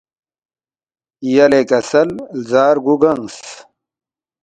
یلے کسل لزا رگُو گنگس